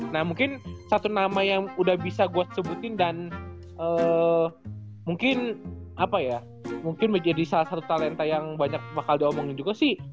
nah mungkin satu nama yang udah bisa gue sebutin dan mungkin apa ya mungkin menjadi salah satu talenta yang banyak bakal diomongin juga sih